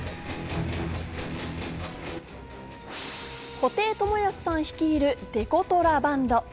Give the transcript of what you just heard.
布袋寅泰さん率いるデコトラバンド。